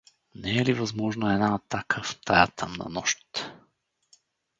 Не е ли възможна една атака в тая тъмна нощ?